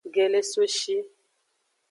Gelesoshi.